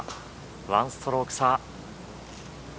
１ストローク差。